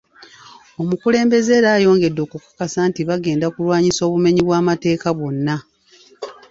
Omukulembeze era ayongedde okukakasa nti bagenda kulwanyisa obumenyi bw’amateeka bwonna.